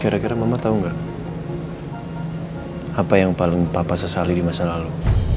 kira kira mama tahu nggak apa yang paling papa sesali di masa lalu